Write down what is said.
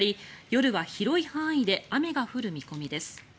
夜は広い範囲で雨が降る見込みです。